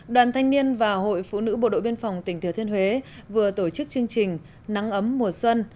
đoàn thanh niên và hội phụ nữ bộ đội biên phòng tỉnh thừa thiên huế vừa tổ chức chương trình nắng ấm mùa xuân